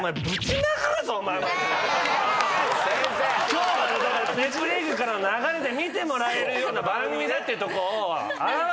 今日は『ネプリーグ』からの流れで見てもらえるような番組だっていうとこを表したいのよ。